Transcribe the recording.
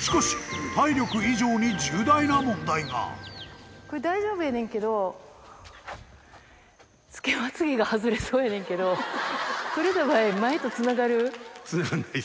しかし、体力以上に重大な問これ、大丈夫やねんけど、つけまつ毛が外れそうやねんけど、取れた場合、前とつながる？